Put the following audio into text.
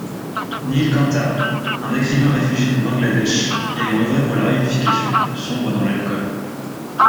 Neelkhanta, un écrivain réfugié du Bangladesh, ayant œuvré pour la réunification, sombre dans l'alcool.